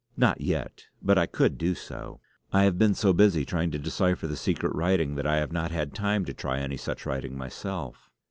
"Not yet, but I could do so. I have been so busy trying to decipher the secret writing that I have not had time to try any such writing myself."